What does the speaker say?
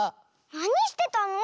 なにしてたの？